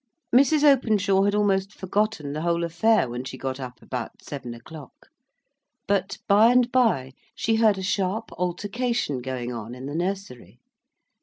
Mrs. Openshaw had almost forgotten the whole affair when she got up about seven o'clock. But, bye and bye, she heard a sharp altercation going on in the nursery.